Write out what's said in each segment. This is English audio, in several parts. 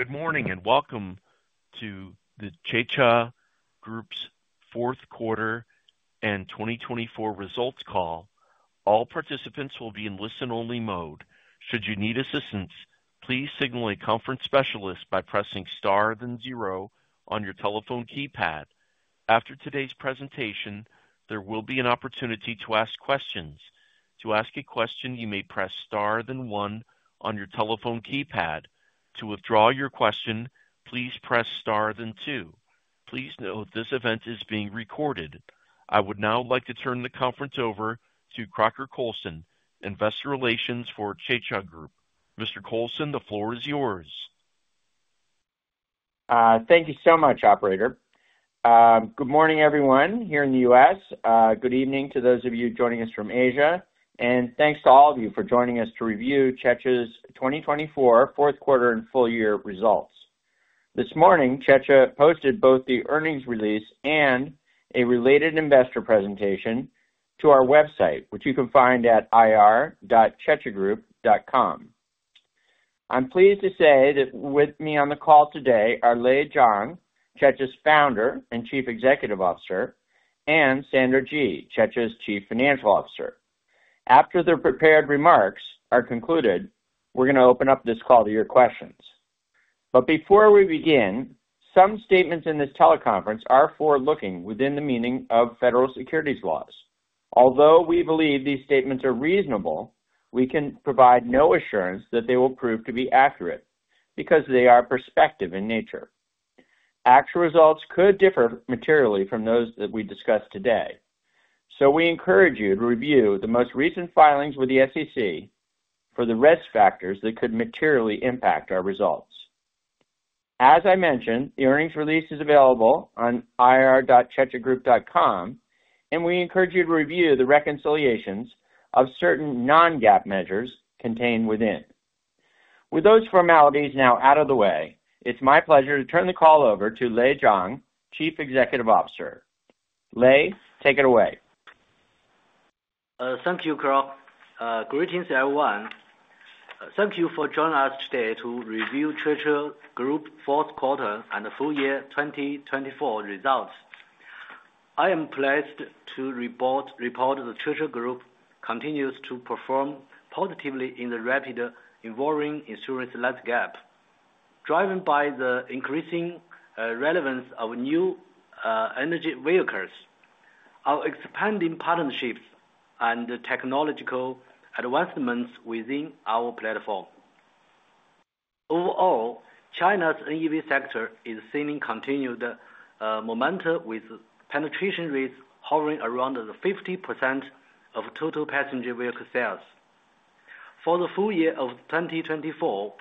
Good morning and welcome to the Cheche Group's fourth quarter and 2024 results call. All participants will be in listen-only mode. Should you need assistance, please signal a conference specialist by pressing star then zero on your telephone keypad. After today's presentation, there will be an opportunity to ask questions. To ask a question, you may press star then one on your telephone keypad. To withdraw your question, please press star then two. Please note this event is being recorded. I would now like to turn the conference over to Crocker Coulson, Investor Relations for Cheche Group. Mr. Coulson, the floor is yours. Thank you so much, Operator. Good morning, everyone here in the U.S. Good evening to those of you joining us from Asia. Thank you to all of you for joining us to review Cheche's 2024 fourth quarter and full-year results. This morning, Cheche posted both the earnings release and a related investor presentation to our website, which you can find at ir.chechegroup.com. I'm pleased to say that with me on the call today are Lei Zhang, Cheche's Founder and Chief Executive Officer, and Sandra Ji, Cheche's Chief Financial Officer. After their prepared remarks are concluded, we are going to open up this call to your questions. Before we begin, some statements in this teleconference are forward-looking within the meaning of federal securities laws. Although we believe these statements are reasonable, we can provide no assurance that they will prove to be accurate because they are prospective in nature. Actual results could differ materially from those that we discuss today. We encourage you to review the most recent filings with the SEC for the risk factors that could materially impact our results. As I mentioned, the earnings release is available on ir.chechegroup.com, and we encourage you to review the reconciliations of certain non-GAAP measures contained within. With those formalities now out of the way, it's my pleasure to turn the call over to Lei Zhang, Chief Executive Officer. Lei, take it away. Thank you, Crocker. Greetings, everyone. Thank you for joining us today to review Cheche Group fourth quarter and the full-year 2024 results. I am pleased to report that the Cheche Group continues to perform positively in the rapid evolving insurance landscape, driven by the increasing relevance of new energy vehicles, our expanding partnerships, and technological advancements within our platform. Overall, China's NEV sector is seeing continued momentum, with penetration rates hovering around 50% of total passenger vehicle sales. For the full year of 2024,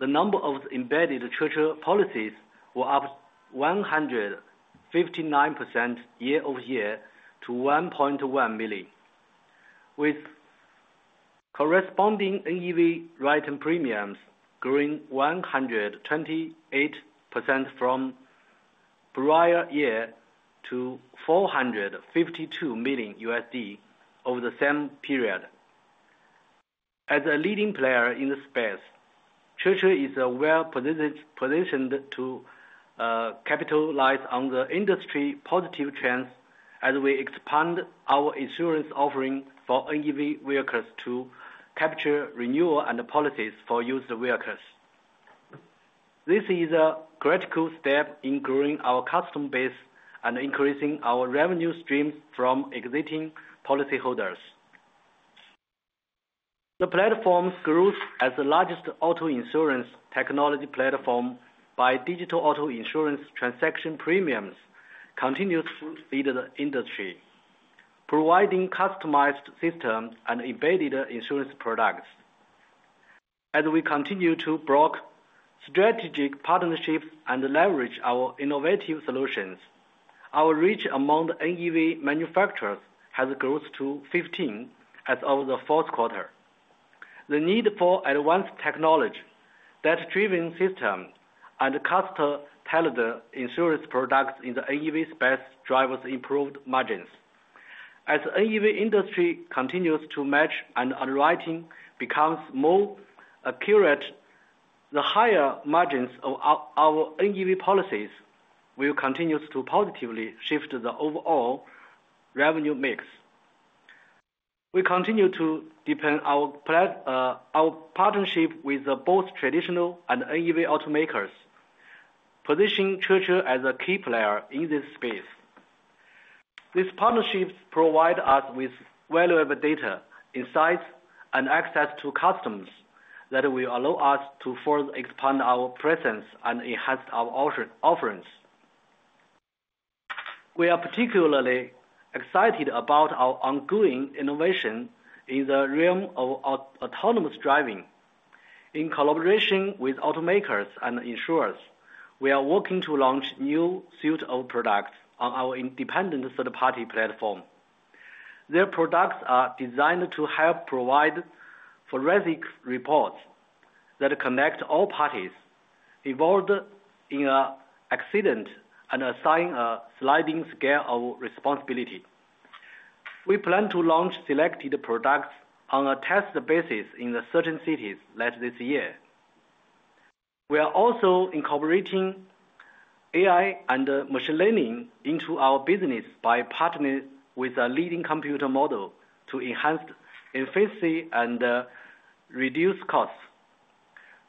the number of embedded Cheche policies will up 159% year-over-year to 1.1 million, with corresponding NEV written premiums growing 128% from prior year to $452 million over the same period. As a leading player in the space, Cheche is well positioned to capitalize on the industry positive trends as we expand our insurance offering for EV vehicles to capture renewal and policies for used vehicles. This is a critical step in growing our customer base and increasing our revenue streams from existing policyholders. The platform grows as the largest auto insurance technology platform by digital auto insurance transaction premiums, continuously feeding the industry, providing customized systems and embedded insurance products. As we continue to broker strategic partnerships and leverage our innovative solutions, our reach among NEV manufacturers has grown to 15 as of the fourth quarter. The need for advanced technology, data-driven systems, and customer-tailored insurance products in the NEV space drives improved margins. As the EV industry continues to mature and underwriting becomes more accurate, the higher margins of our EV policies will continue to positively shift the overall revenue mix. We continue to deepen our partnership with both traditional and EV automakers, positioning Cheche as a key player in this space. These partnerships provide us with valuable data, insights, and access to customers that will allow us to further expand our presence and enhance our offerings. We are particularly excited about our ongoing innovation in the realm of autonomous driving. In collaboration with automakers and insurers, we are working to launch a new suite of products on our independent third-party platform. Their products are designed to help provide forensic reports that connect all parties, involve an accident, and assign a sliding scale of responsibility. We plan to launch selected products on a test basis in certain cities later this year. We are also incorporating AI and machine learning into our business by partnering with a leading computer model to enhance efficiency and reduce costs.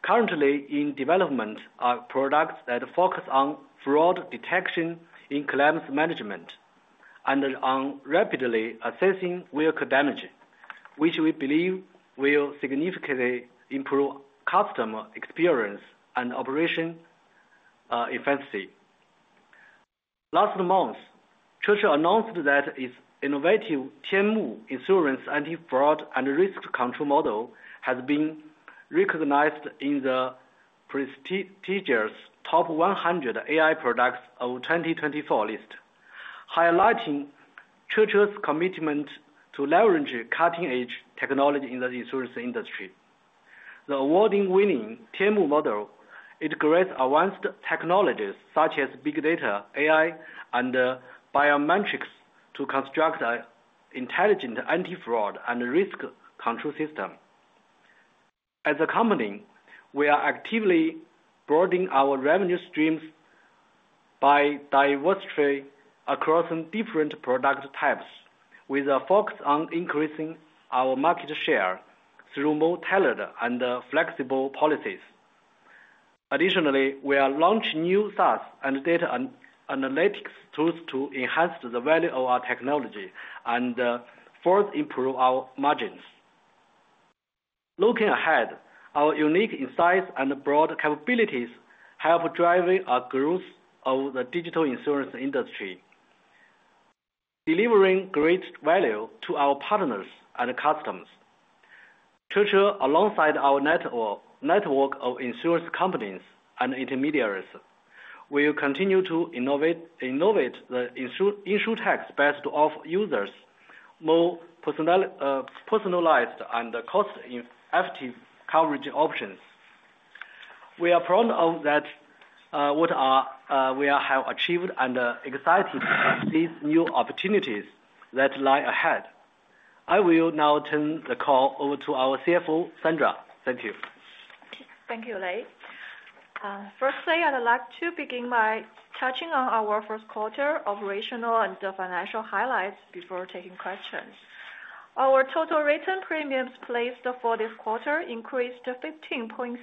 Currently, in development, our products focus on fraud detection in claims management and on rapidly assessing vehicle damage, which we believe will significantly improve customer experience and operation efficiency. Last month, Cheche announced that its innovative Tianmu insurance anti-fraud and risk control model has been recognized in the prestigious top 100 AI products of the 2024 list, highlighting Cheche's commitment to leverage cutting-edge technology in the insurance industry. The award-winning Tianmu model integrates advanced technologies such as big data, AI, and biometrics to construct an intelligent anti-fraud and risk control system. As a company, we are actively broadening our revenue streams by diversifying across different product types, with a focus on increasing our market share through more tailored and flexible policies. Additionally, we are launching new SaaS and data analytics tools to enhance the value of our technology and further improve our margins. Looking ahead, our unique insights and broad capabilities help drive our growth of the digital insurance industry, delivering great value to our partners and customers. Cheche, alongside our network of insurance companies and intermediaries, will continue to innovate the insurance tech best to offer users more personalized and cost-effective coverage options. We are proud of what we have achieved and excited by these new opportunities that lie ahead. I will now turn the call over to our CFO, Sandra. Thank you. Thank you, Lei. Firstly, I'd like to begin by touching on our first quarter operational and financial highlights before taking questions. Our total written premiums placed for this quarter increased 15.6%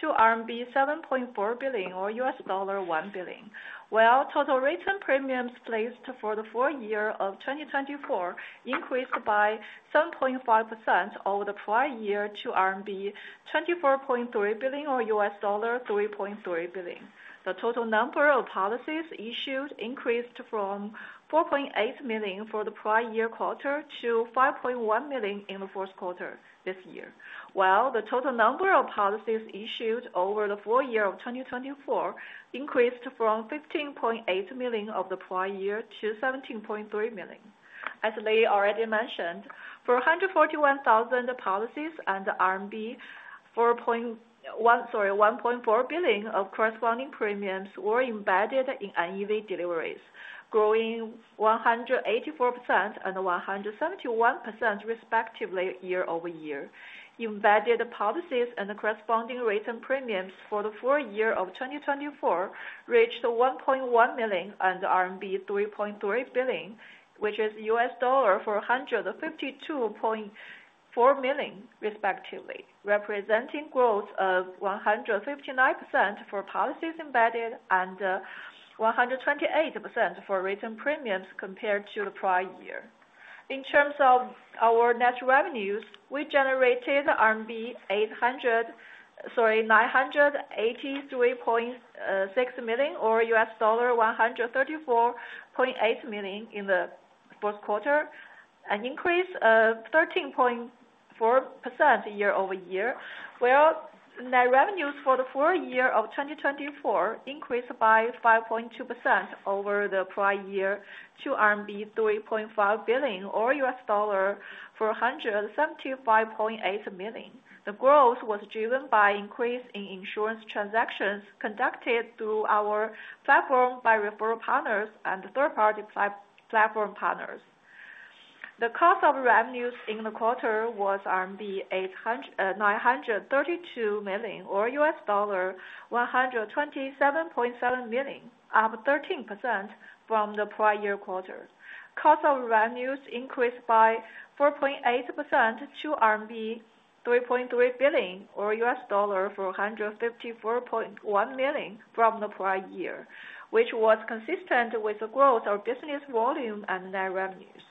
to RMB 7.4 billion, or $1 billion, while total written premiums placed for the full year of 2024 increased by 7.5% over the prior year to RMB 24.3 billion, or $3.3 billion. The total number of policies issued increased from 4.8 million for the prior year quarter to 5.1 million in the fourth quarter this year, while the total number of policies issued over the full year of 2024 increased from 15.8 million of the prior year 17.3 million. As Lei already mentioned, 441,000 policies and 1.4 billion of corresponding premiums were embedded in EV deliveries, growing 184% and 171% respectively year-over-year. Embedded policies and corresponding written premiums for the full year of 2024 reached 1.1 million and 3.3 billion, which is $452.4 million respectively, representing growth of 159% for policies embedded and 128% for written premiums compared to the prior year. In terms of our net revenues, we generated 983.6 million, or $134.8 million in the fourth quarter, an increase of 13.4% year-over-year, while net revenues for the full year of 2024 increased by 5.2% over the prior year to RMB 3.5 billion, or $475.8 million. The growth was driven by an increase in insurance transactions conducted through our platform by referral partners and third-party platform partners. The cost of revenues in the quarter was 932 million, or $127.7 million, up 13% from the prior year quarter. Cost of revenues increased by 4.8% to RMB 3.3 billion, or $454.1 million from the prior year, which was consistent with the growth of business volume and net revenues.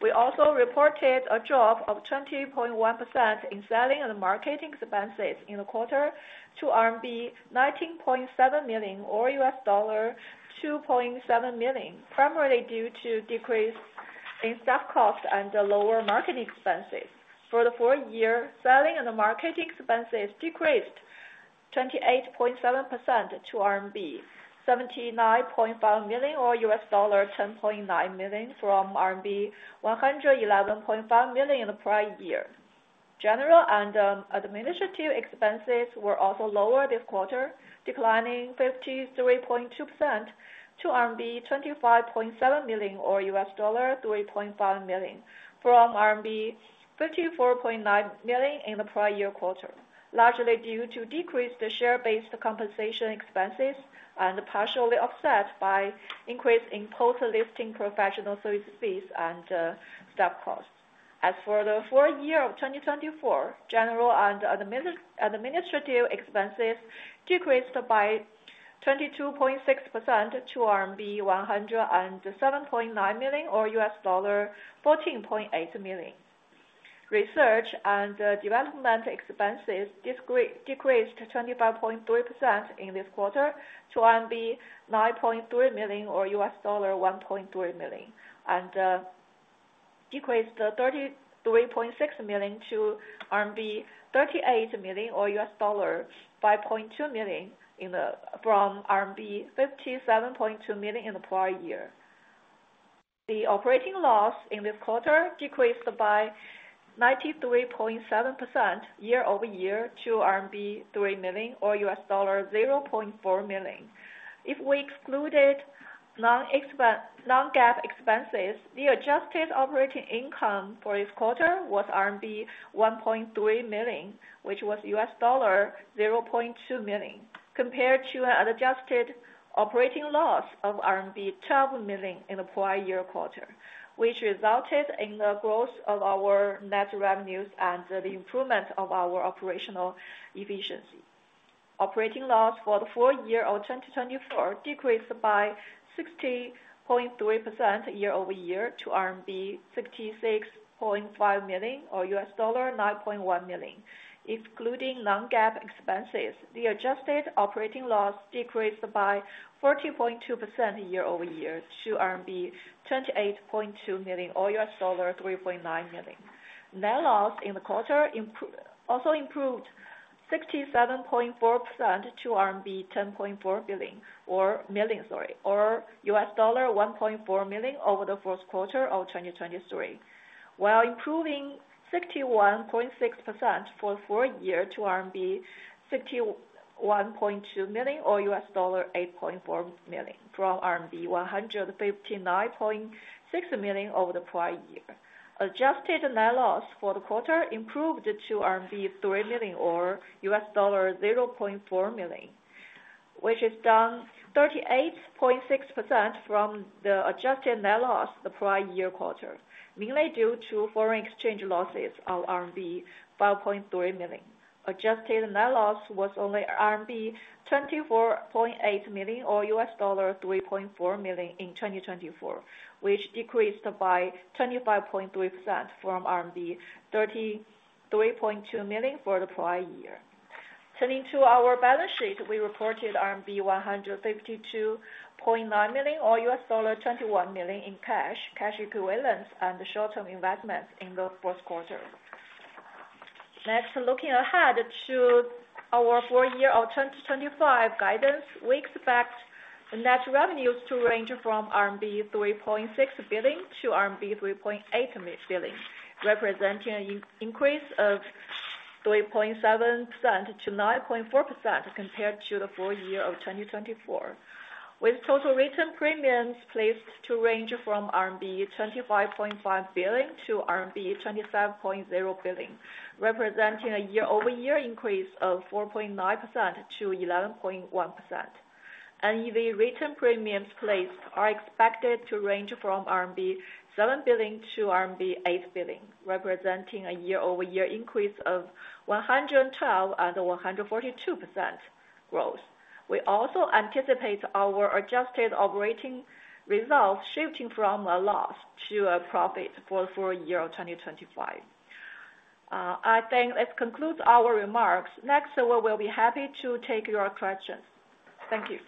We also reported a drop of 20.1% in selling and marketing expenses in the quarter to RMB 19.7 million, or $2.7 million, primarily due to a decrease in staff costs and lower marketing expenses. For the full year, selling and marketing expenses decreased 28.7% to RMB 79.5 million, or $10.9 million from RMB 111.5 million in the prior year. General and administrative expenses were also lower this quarter, declining 53.2% to RMB 25.7 million, or $3.5 million, from RMB 54.9 million in the prior year quarter, largely due to decreased share-based compensation expenses and partially offset by an increase in post-listing professional services fees and staff costs. As for the full year of 2024, general and administrative expenses decreased by 22.6% to RMB 107.9 million, or $14.8 million. Research and development expenses decreased 25.3% in this quarter to RMB 9.3 million, or $1.3 million, and decreased 33.6% to RMB 38 million, or $5.2 million, from RMB 57.2 million in the prior year. The operating loss in this quarter decreased by 93.7% year-over-year to RMB 3 million, or $0.4 million. If we excluded non-GAAP expenses, the adjusted operating income for this quarter was RMB 1.3 million, which was $0.2 million, compared to an adjusted operating loss of RMB 12 million in the prior year quarter, which resulted in the growth of our net revenues and the improvement of our operational efficiency. Operating loss for the full year of 2024 decreased by 60.3% year-over-year to RMB 66.5 million, or $9.1 million. Excluding non-GAAP expenses, the adjusted operating loss decreased by 40.2% year-over- year to RMB 28.2 million, or $3.9 million. Net loss in the quarter also improved 67.4% to RMB 10.4 million, or $1.4 million over the fourth quarter of 2023, while improving 61.6% for the full year to RMB 61.2 million, or $8.4 million, from RMB 159.6 million over the prior year. Adjusted net loss for the quarter improved to RMB 3 million, or $0.4 million, which is down 38.6% from the adjusted net loss the prior year quarter, mainly due to foreign exchange losses of RMB 5.3 million. Adjusted net loss was only RMB 24.8 million, or $3.4 million in 2024, which decreased by 25.3% from RMB 33.2 million for the prior year. Turning to our balance sheet, we reported RMB 152.9 million, or $21 million in cash, cash equivalents, and short-term investments in the fourth quarter. Next, looking ahead to our full year of 2025 guidance, we expect net revenues to range from 3.6 billion-3.8 billion RMB, representing an increase of 3.7%-9.4% compared to the full year of 2024, with total written premiums placed to range from 25.5 billion-27.0 billion RMB, representing a year-over-year increase of 4.9%-11.1%. NEV written premiums placed are expected to range from 7 billion-8 billion RMB, representing a year-over-year increase of 112% and 142% growth. We also anticipate our adjusted operating results shifting from a loss to a profit for the full year of 2025. I think this concludes our remarks. Next, we will be happy to take your questions. Thank you.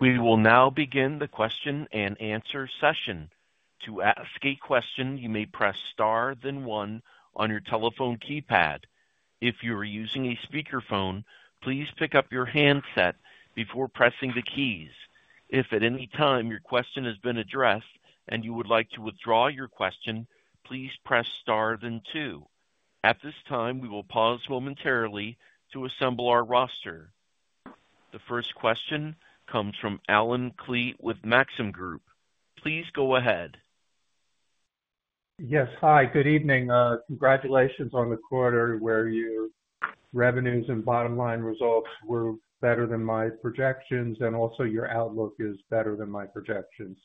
We will now begin the question and answer session. To ask a question, you may press star then one on your telephone keypad. If you are using a speakerphone, please pick up your handset before pressing the keys. If at any time your question has been addressed and you would like to withdraw your question, please press star then two. At this time, we will pause momentarily to assemble our roster. The first question comes from Allen Klee with Maxim Group. Please go ahead. Yes. Hi, good evening. Congratulations on the quarter where your revenues and bottom line results were better than my projections, and also your outlook is better than my projections.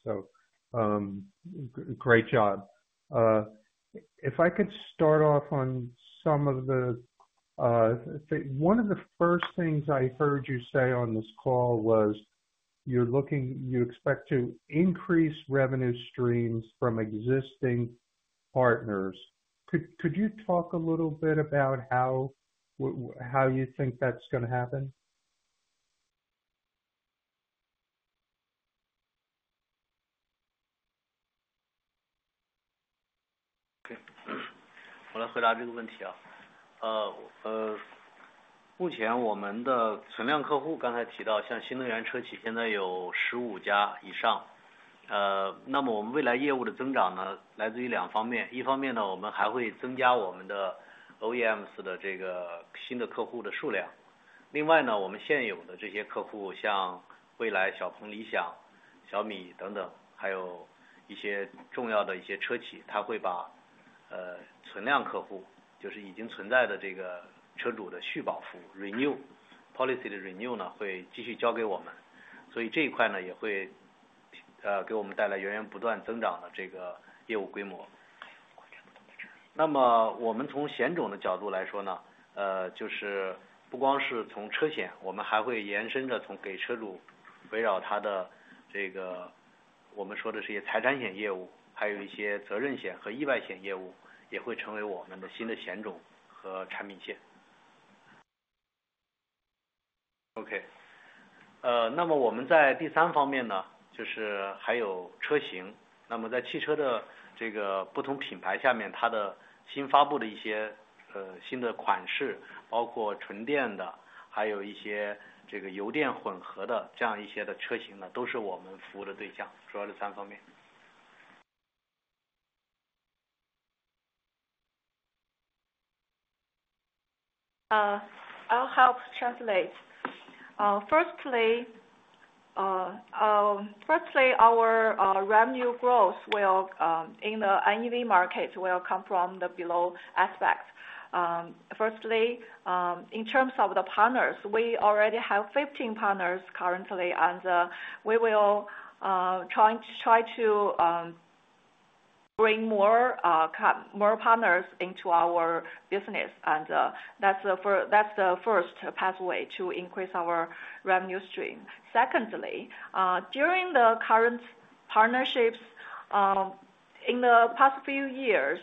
Great job. If I could start off on some of the first things I heard you say on this call, you expect to increase revenue streams from existing partners. Could you talk a little bit about how you think that is going to happen? 好的，我来回答这个问题。目前我们的存量客户刚才提到像新能源车企现在有15家以上。那么我们未来业务的增长来自于两方面。一方面我们还会增加我们的OEMs的新的客户的数量。另外，我们现有的这些客户像蔚来、小鹏、理想、小米等等，还有一些重要的一些车企，他会把存量客户，就是已经存在的车主的续保服务，renew policy的renew会继续交给我们。所以这一块也会给我们带来源源不断增长的业务规模。那么我们从险种的角度来说，就是不光是从车险，我们还会延伸着从给车主围绕他的我们说的这些财产险业务，还有一些责任险和意外险业务，也会成为我们的新的险种和产品线。OK。那么我们在第三方面就是还有车型。那么在汽车的不同品牌下面，他的新发布的一些新的款式，包括纯电的，还有一些油电混合的这样一些的车型，都是我们服务的对象，主要是三方面。I'll help translate. Firstly, our revenue growth in the NEV market will come from the below aspects. Firstly, in terms of the partners, we already have 15 partners currently, and we will try to bring more partners into our business, and that's the first pathway to increase our revenue stream. Secondly, during the current partnerships, in the past few years,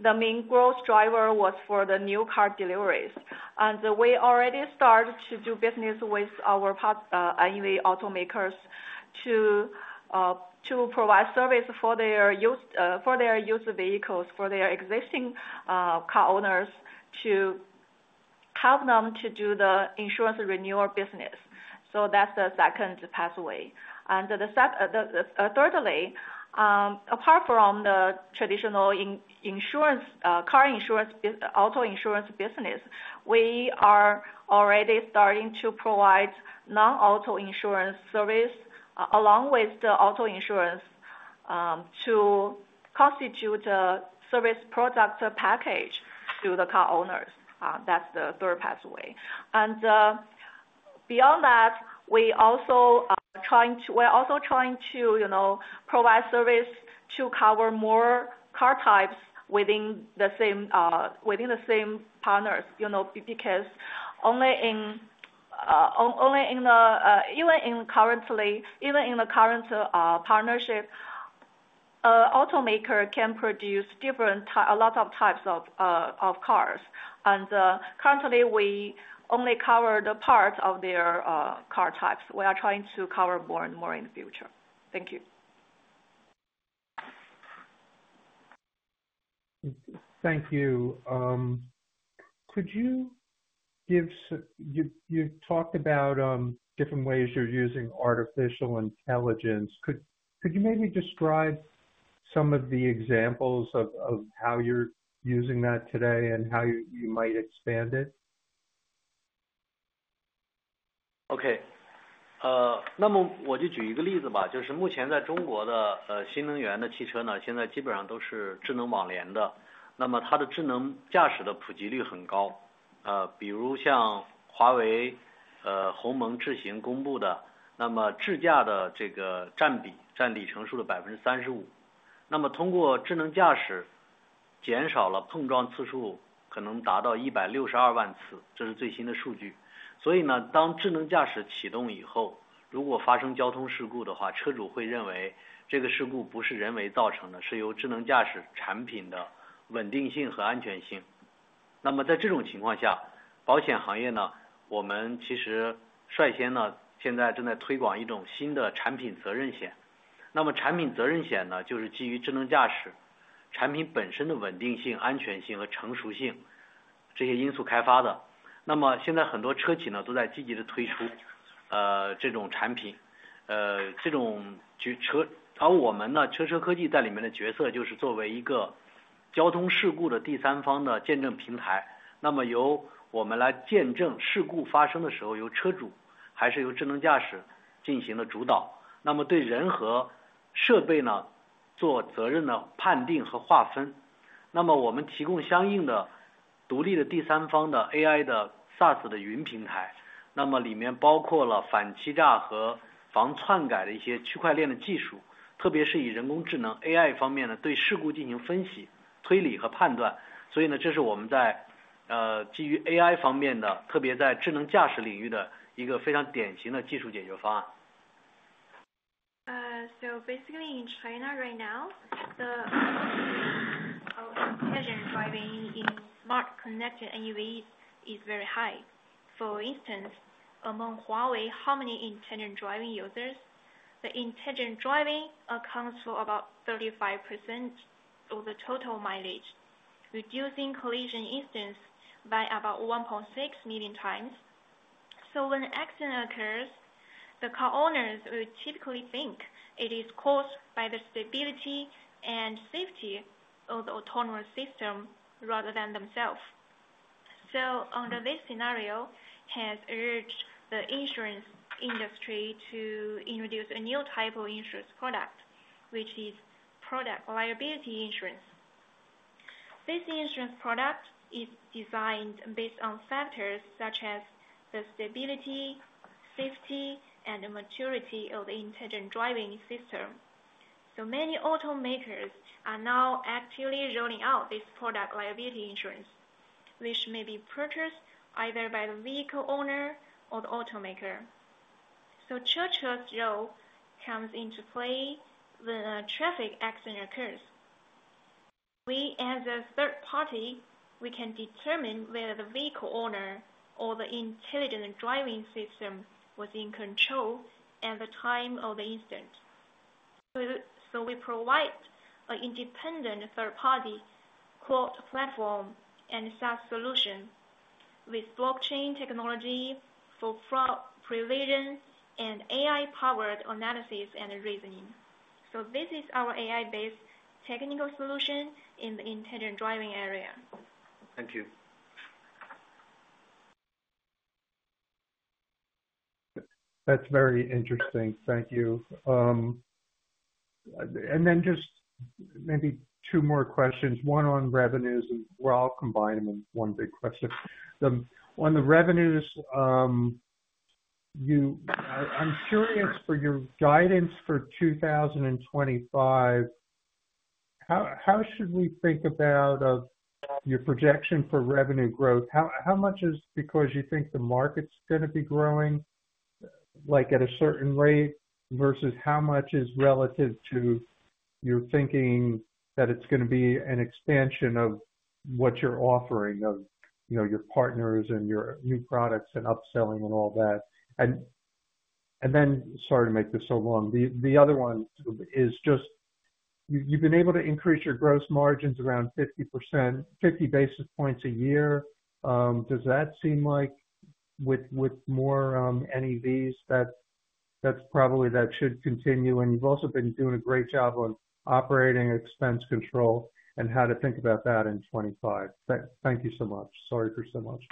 the main growth driver was for the new car deliveries, and we already started to do business with our NEV automakers to provide service for their used vehicles, for their existing car owners, to help them to do the insurance renewal business. That's the second pathway. Thirdly, apart from the traditional car auto insurance business, we are already starting to provide non-auto insurance service along with the auto insurance to constitute a service product package to the car owners. That's the third pathway. Beyond that, we're also trying to provide service to cover more car types within the same partners because even in the current partnership, automakers can produce a lot of types of cars. Currently, we only cover part of their car types. We are trying to cover more and more in the future. Thank you. Thank you. Could you give, you've talked about different ways you're using artificial intelligence. Could you maybe describe some of the examples of how you're using that today and how you might expand it? Okay.那么我就举一个例子吧，就是目前在中国的新能源的汽车现在基本上都是智能网联的。那么它的智能驾驶的普及率很高，比如像华为、鸿蒙智行公布的，那么智驾的占比占里程数的35%。那么通过智能驾驶减少了碰撞次数，可能达到162万次。这是最新的数据。所以当智能驾驶启动以后，如果发生交通事故的话，车主会认为这个事故不是人为造成的，是由智能驾驶产品的稳定性和安全性。那么在这种情况下，保险行业我们其实率先现在正在推广一种新的产品责任险。那么产品责任险就是基于智能驾驶产品本身的稳定性、安全性和成熟性这些因素开发的。那么现在很多车企都在积极地推出这种产品。而我们车车科技在里面的角色就是作为一个交通事故的第三方的见证平台。那么由我们来见证事故发生的时候，由车主还是由智能驾驶进行了主导。那么对人和设备做责任的判定和划分。那么我们提供相应的独立的第三方的AI的SaaS的云平台。那么里面包括了反欺诈和防篡改的一些区块链的技术，特别是以人工智能AI方面的对事故进行分析、推理和判断。所以这是我们在基于AI方面的，特别在智能驾驶领域的一个非常典型的技术解决方案。Basically in China right now, the intelligent driving in smart connected NEV is very high. For instance, among Huawei, Harmony Intelligent driving users? The intelligent driving accounts for about 35% of the total mileage, reducing collision incidence by about 1.6 million times. When an accident occurs, the car owners will typically think it is caused by the stability and safety of the autonomous system rather than themselves. Under this scenario, it has urged the insurance industry to introduce a new type of insurance product, which is product liability insurance. This insurance product is designed based on factors such as the stability, safety, and maturity of the intelligent driving system. Many automakers are now actively rolling out this product liability insurance, which may be purchased either by the vehicle owner or the automaker. Cheche's role comes into play when a traffic accident occurs. We as a third party, we can determine whether the vehicle owner or the intelligent driving system was in control at the time of the incident. We provide an independent third-party cloud platform and SaaS solution with blockchain technology for provision and AI-powered analysis and reasoning. This is our AI-based technical solution in the intelligent driving area. Thank you. That's very interesting. Thank you. Maybe two more questions. One on revenues, and we'll all combine them in one big question. On the revenues, I'm curious for your guidance for 2025. How should we think about your projection for revenue growth? How much is because you think the market's going to be growing at a certain rate versus how much is relative to your thinking that it's going to be an expansion of what you're offering of your partners and your new products and upselling and all that? Sorry to make this so long, the other one is just you've been able to increase your gross margins around 50 basis points a year. Does that seem like with more NEVs, that probably should continue? You've also been doing a great job on operating expense control and how to think about that in 2025. Thank you so much. Sorry for so much.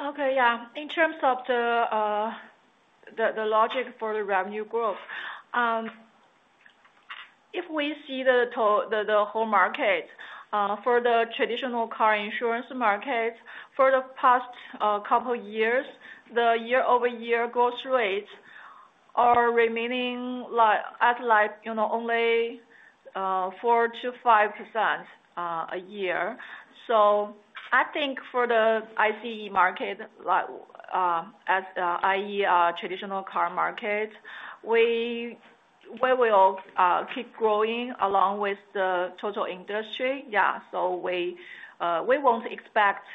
Okay. Yeah. In terms of the logic for the revenue growth, if we see the whole market for the traditional car insurance market, for the past couple of years, the year-over-year growth rates are remaining at only 4%-5% a year. I think for the ICE market, as in traditional car market, we will keep growing along with the total industry. Yeah. We will not expect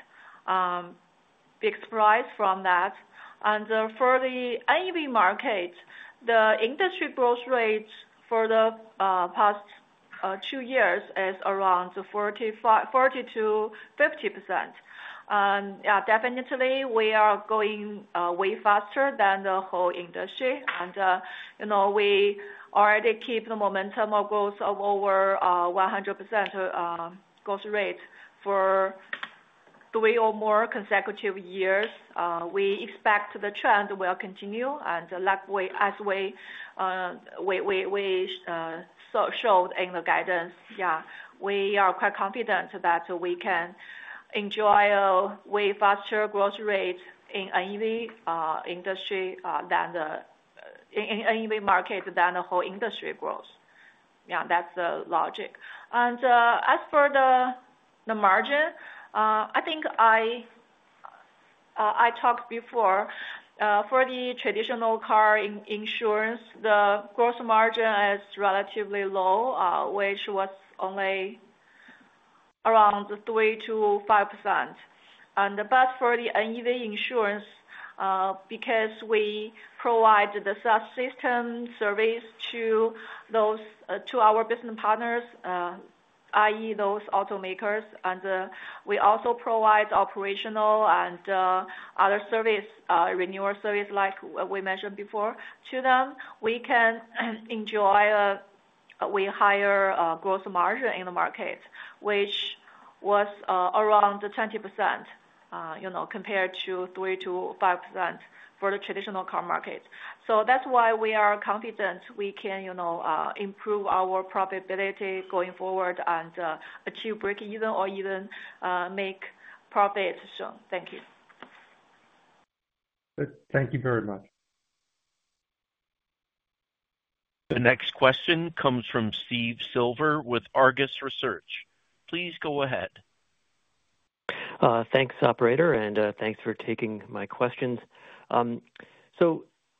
big surprise from that. For the NEV market, the industry growth rate for the past two years is around 40%-50%. Yeah, definitely, we are going way faster than the whole industry. We already keep the momentum of growth of over 100% growth rate for three or more consecutive years. We expect the trend will continue, and as we showed in the guidance, yeah, we are quite confident that we can enjoy a way faster growth rate in NEV industry than the NEV market than the whole industry grows. Yeah, that's the logic. As for the margin, I think I talked before, for the traditional car insurance, the gross margin is relatively low, which was only around 3-5%. For the NEV insurance, because we provide the SaaS system service to our business partners, i.e., those automakers, and we also provide operational and other renewal service like we mentioned before to them, we can enjoy a way higher gross margin in the market, which was around 20% compared to 3-5% for the traditional car market. That is why we are confident we can improve our profitability going forward and achieve break-even or even make profit soon. Thank you. Thank you very much. The next question comes from Steve Silver with Argus Research. Please go ahead. Thanks, operator, and thanks for taking my questions.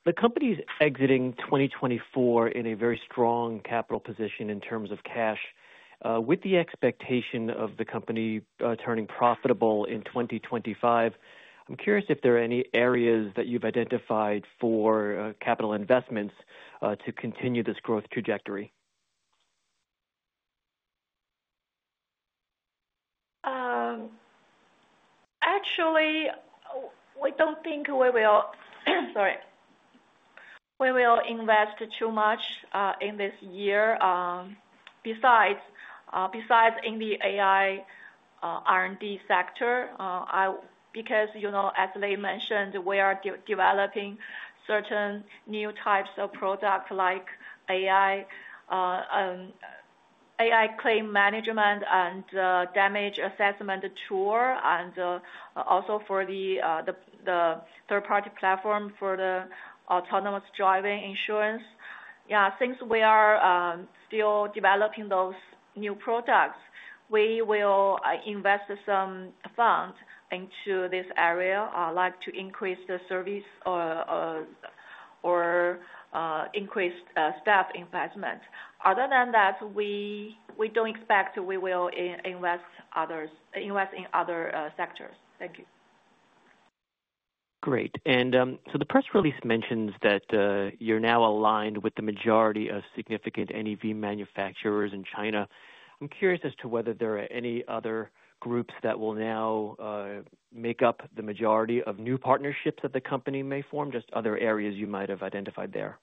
The company's exiting 2024 in a very strong capital position in terms of cash, with the expectation of the company turning profitable in 2025. I'm curious if there are any areas that you've identified for capital investments to continue this growth trajectory. Actually, we don't think we will—sorry—we will invest too much in this year besides in the AI R&D sector, because as Lei mentioned, we are developing certain new types of products like AI claim management and damage assessment tour, and also for the third-party platform for the autonomous driving insurance. Yeah, since we are still developing those new products, we will invest some funds into this area to increase the service or increase staff investment. Other than that, we don't expect we will invest in other sectors. Thank you. Great. The press release mentions that you're now aligned with the majority of significant NEV manufacturers in China. I'm curious as to whether there are any other groups that will now make up the majority of new partnerships that the company may form, just other areas you might have identified there.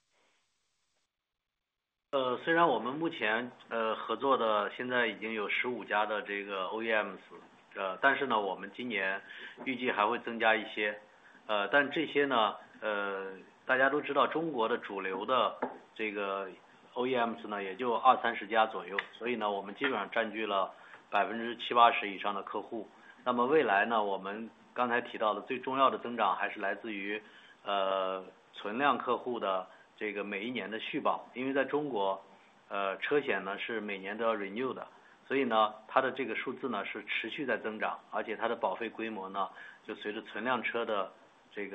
Now,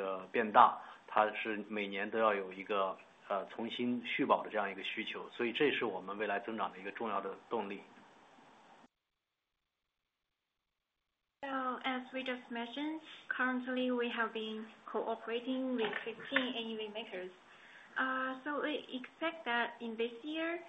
as we just mentioned, currently we have been cooperating with 15 NEV makers. We expect that in this year,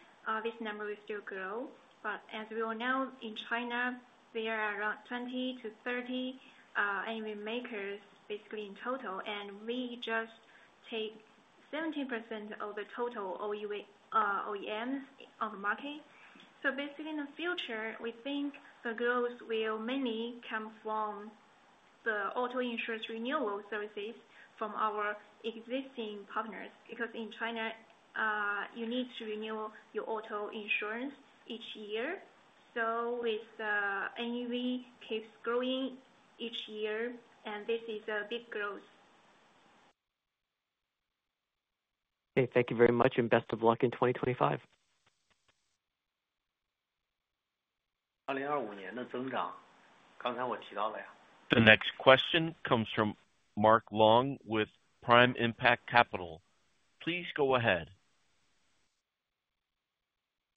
this number will still grow, but as we all know, in China, there are around 20-30 NEV makers basically in total, and we just take 17% of the total OEMs on the market. Basically in the future, we think the growth will mainly come from the auto insurance renewal services from our existing partners because in China, you need to renew your auto insurance each year. With NEV keeps growing each year, and this is a big growth. Okay. Thank you very much, and best of luck in 2025. 2025年的增长，刚才我提到了。The next question comes from Mark Long with Prime Impact Capital. Please go ahead.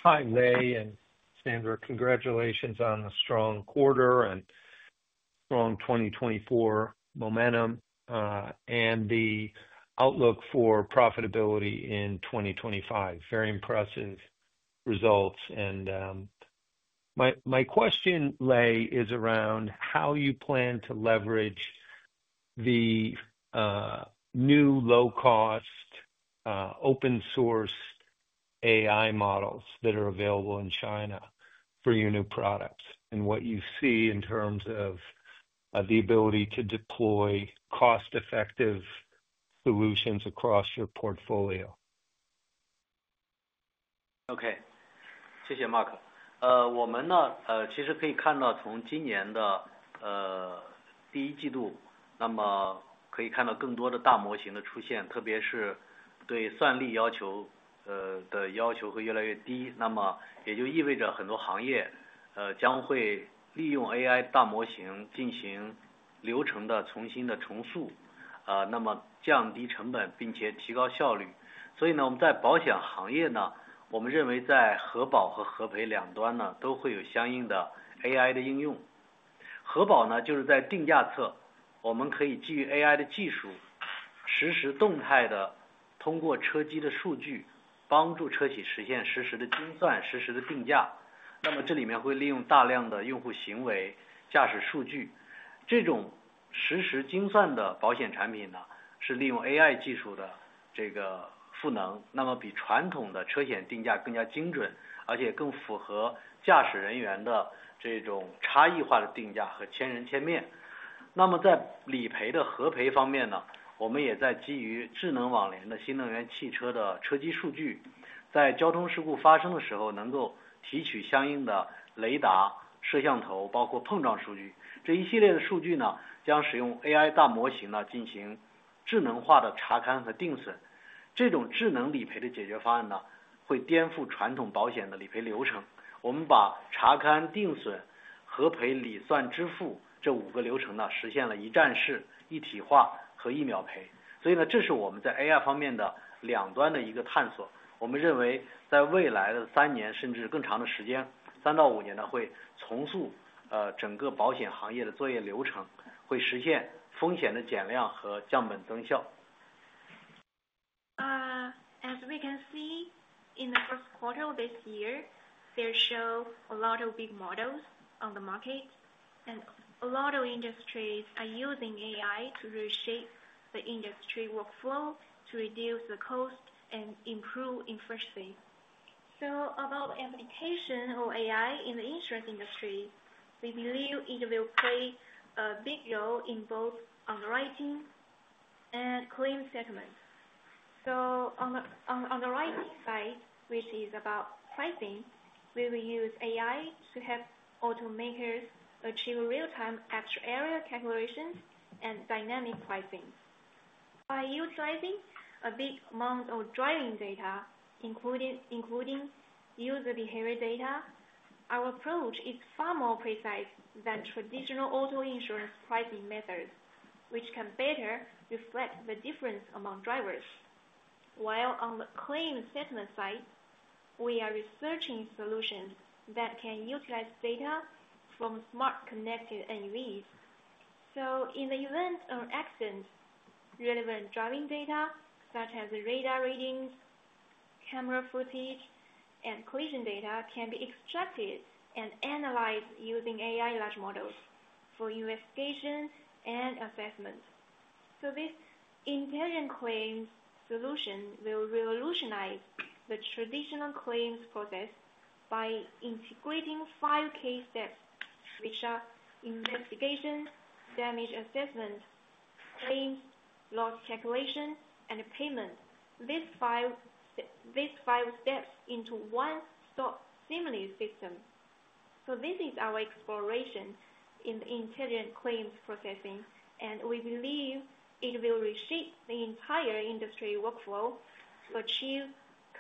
Hi, Lei and Sandra. Congratulations on a strong quarter and strong 2024 momentum and the outlook for profitability in 2025. Very impressive results. My question, Lei, is around how you plan to leverage the new low-cost open-source AI models that are available in China for your new products and what you see in terms of the ability to deploy cost-effective solutions across your portfolio. Okay. 谢谢 Mark。我们其实可以看到从今年的第一季度，那么可以看到更多的大模型的出现，特别是对算力要求的要求会越来越低。那么也就意味着很多行业将会利用AI大模型进行流程的重新的重塑，那么降低成本并且提高效率。所以我们在保险行业，我们认为在核保和核赔两端都会有相应的AI的应用。核保就是在定价侧，我们可以基于AI的技术，实时动态的通过车机的数据，帮助车企实现实时的精算、实时的定价。那么这里面会利用大量的用户行为、驾驶数据。这种实时精算的保险产品是利用AI技术的赋能，那么比传统的车险定价更加精准，而且更符合驾驶人员的这种差异化的定价和千人千面。那么在理赔的核赔方面，我们也在基于智能网联的新能源汽车的车机数据，在交通事故发生的时候能够提取相应的雷达、摄像头，包括碰撞数据。这一系列的数据将使用AI大模型进行智能化的查勘和定损。这种智能理赔的解决方案会颠覆传统保险的理赔流程。我们把查勘、定损、核赔、理算、支付这五个流程实现了一站式、一体化和一秒赔。所以这是我们在AI方面的两端的一个探索。我们认为在未来的三年甚至更长的时间，三到五年会重塑整个保险行业的作业流程，会实现风险的减量和降本增效。As we can see, in the first quarter of this year, there's a lot of big models on the market, and a lot of industries are using AI to reshape the industry workflow to reduce the cost and improve efficiency. About application of AI in the insurance industry, we believe it will play a big role in both underwriting and claim settlement. On the underwriting side, which is about pricing, we will use AI to help automakers achieve real-time extra area calculations and dynamic pricing. By utilizing a big amount of driving data, including user behavior data, our approach is far more precise than traditional auto insurance pricing methods, which can better reflect the difference among drivers. While on the claim settlement side, we are researching solutions that can utilize data from smart connected NEVs. In the event of accidents, relevant driving data such as radar readings, camera footage, and collision data can be extracted and analyzed using AI large models for investigation and assessment. This intelligent claims solution will revolutionize the traditional claims process by integrating five key steps, which are investigation, damage assessment, claims, loss calculation, and payment. These five steps into one seamless system. This is our exploration in intelligent claims processing, and we believe it will reshape the entire industry workflow to achieve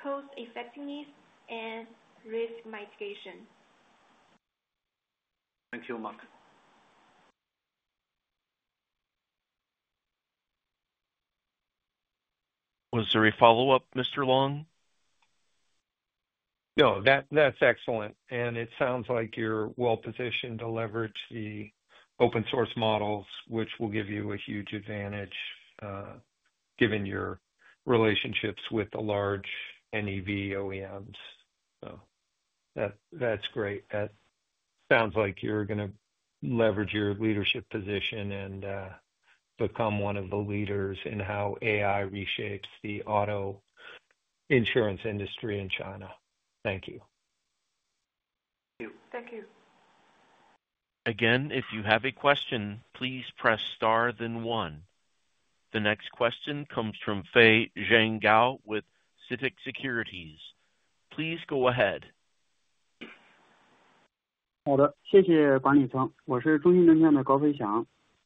cost-effectiveness and risk mitigation. Thank you, Mark. Was there a follow-up, Mr. Long? No, that's excellent. It sounds like you're well-positioned to leverage the open-source models, which will give you a huge advantage given your relationships with the large NEV OEMs. That sounds like you're going to leverage your leadership position and become one of the leaders in how AI reshapes the auto insurance industry in China. Thank you. Thank you. Again, if you have a question, please press star, then one. The next question comes from Feixiang Gao with CITIC Securities. Please go ahead.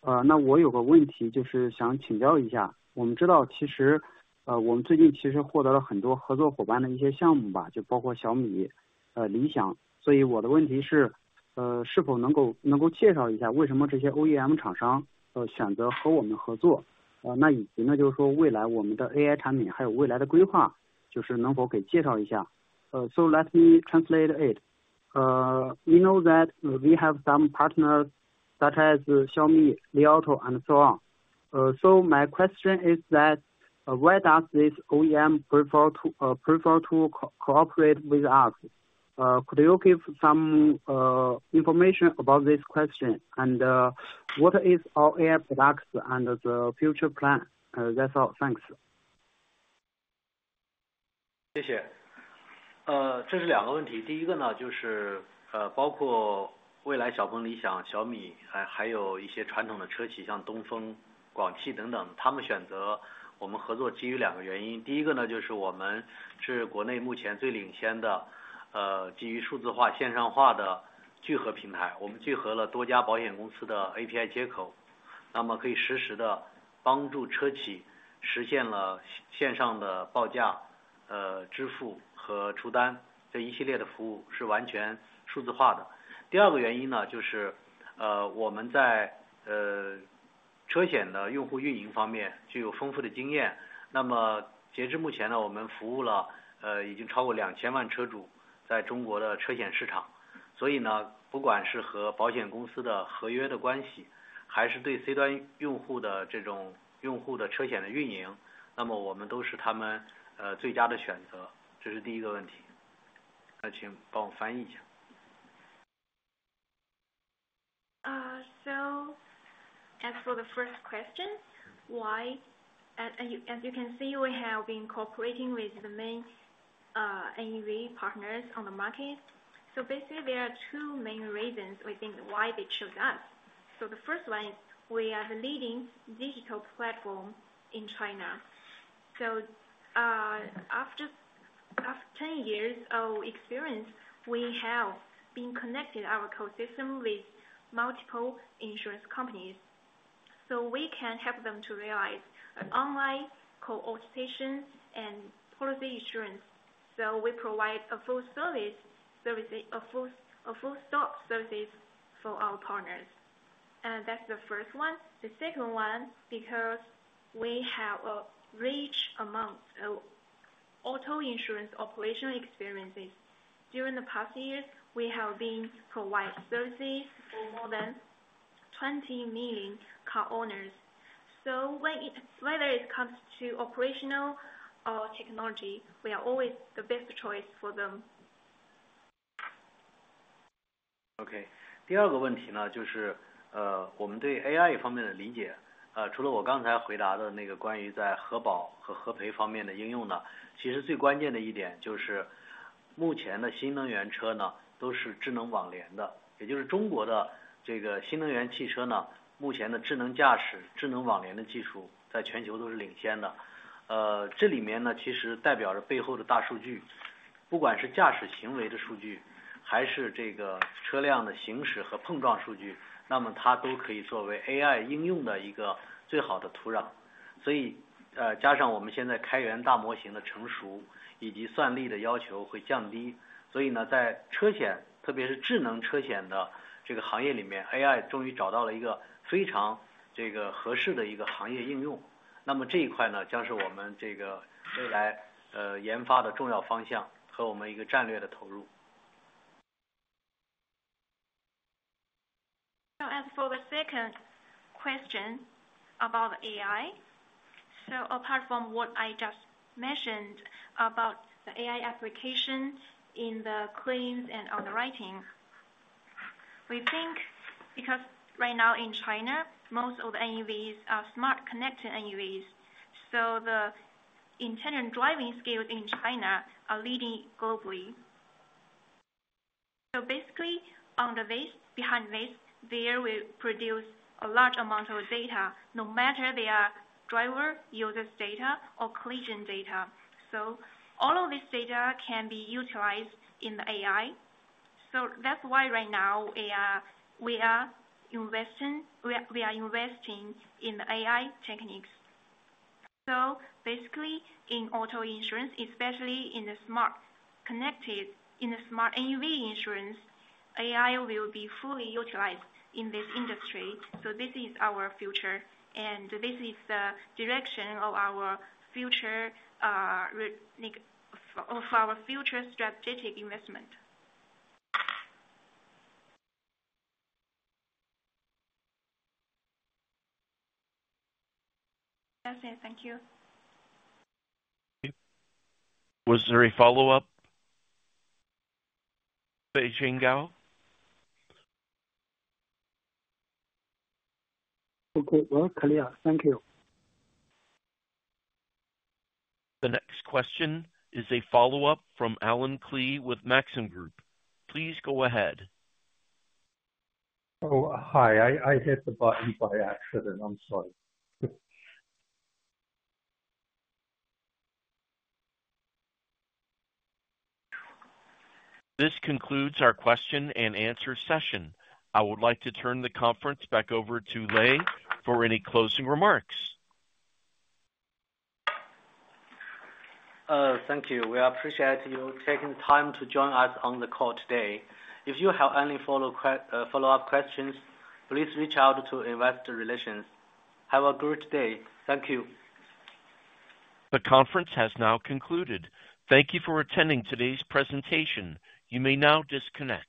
好的，谢谢管理层。我是中兴证券的高飞翔。那我有个问题就是想请教一下，我们知道其实我们最近其实获得了很多合作伙伴的一些项目，就包括小米、理想。所以我的问题是，是否能够介绍一下为什么这些OEM厂商选择和我们合作？那以及就是说未来我们的AI产品还有未来的规划，就是能否给介绍一下。So let me translate it. We know that we have some partners such as Xiaomi, Li Auto, and so on. My question is that why does this OEM prefer to cooperate with us? Could you give some information about this question? What is our product and the future plan? That's all. Thanks. As for the first question, why? As you can see, we have been cooperating with the main NEV partners on the market. Basically, there are two main reasons we think why they chose us. The first one is we are the leading digital platform in China. After 10 years of experience, we have been connecting our call system with multiple insurance companies. We can help them to realize an online co-occupation and policy insurance. We provide a full-service service, a full-stop service for our partners. That is the first one. The second one, because we have a rich amount of auto insurance operational experiences. During the past years, we have been providing services for more than 20 million car owners. Whether it comes to operational or technology, we are always the best choice for them. Okay. As for the second question about AI, apart from what I just mentioned about the AI application in the claims and underwriting, we think because right now in China, most of the NEVs are smart connected NEVs, the intelligent driving skills in China are leading globally. Basically, behind this, there will produce a large amount of data no matter their driver uses data or collision data. All of this data can be utilized in the AI. That is why right now we are investing in the AI techniques. Basically, in auto insurance, especially in the smart connected, in the smart NEV insurance, AI will be fully utilized in this industry. This is our future, and this is the direction of our future strategic investment. That's it. Thank you. Was there a follow-up? Feixiang Gao? Okay. Very clear. Thank you. The next question is a follow-up from Allen Klee with Maxim Group. Please go ahead. Oh, hi. I hit the button by accident. I'm sorry. This concludes our question and answer session. I would like to turn the conference back over to Lei for any closing remarks. Thank you. We appreciate you taking the time to join us on the call today. If you have any follow-up questions, please reach out to investor relations. Have a great day. Thank you. The conference has now concluded. Thank you for attending today's presentation. You may now disconnect.